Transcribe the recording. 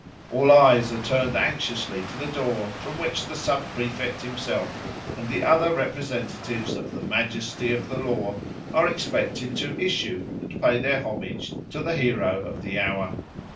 All eyes are turned anxiously to the door from which the Sub Prefect himself and the other representatives of the majesty of the law are expected to issue and pay their homage to the hero of the hour.